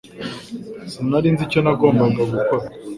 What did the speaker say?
Sinari nzi icyo nagombaga gukora